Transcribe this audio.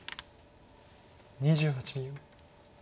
２８秒。